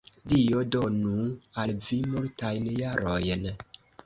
Dio donu al vi multajn jarojn!